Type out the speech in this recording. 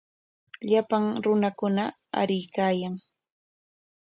Llapan runakuna aruykaayan.